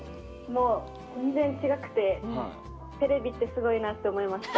全然違くてテレビってすごいなって思いました。